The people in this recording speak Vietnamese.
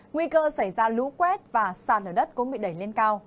nguy cơ xảy ra lũ quét và sàn ở đất cũng bị đẩy lên cao